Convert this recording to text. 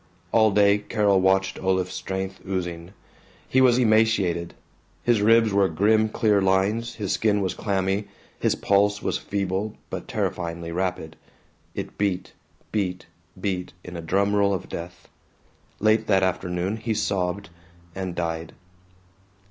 All day Carol watched Olaf's strength oozing. He was emaciated. His ribs were grim clear lines, his skin was clammy, his pulse was feeble but terrifyingly rapid. It beat beat beat in a drum roll of death. Late that afternoon he sobbed, and died.